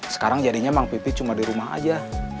sekarang jadinya mang pipi cuma di rumah aja